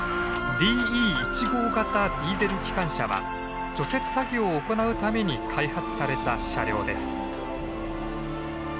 ディーゼル機関車は除雪作業を行うために開発された車両です。